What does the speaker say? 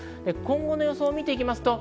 今後の予報を見ていきます。